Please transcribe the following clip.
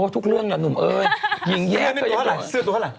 ทุกเรื่องเหนือหนุ่มเอ้ยยิงแยะตัวเชื่อตัวเบาไหละ